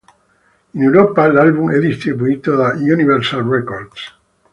In Europa l'album è distribuito da Universal Records.